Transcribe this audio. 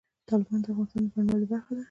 تالابونه د افغانستان د بڼوالۍ برخه ده.